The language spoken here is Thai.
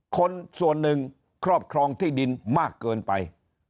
คนส่วนหนึ่งครอบครองที่ดินมากเกินไป